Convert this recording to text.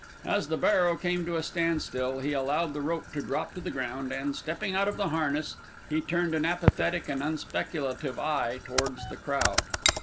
As the barrow came to a standstill, he allowed the rope to drop to the ground and, stepping out of the harness, he turned an apathetic and unspeculative eye towards the crowd.